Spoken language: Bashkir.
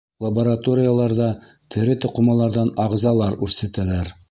Лабораторияларҙа тере туҡымаларҙан ағзалар үрсетәләр.